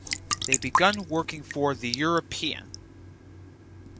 They began working for "The European".